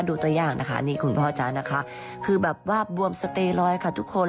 ตัวอย่างนะคะนี่คุณพ่อจ๊ะนะคะคือแบบว่าบวมสเตรอยค่ะทุกคน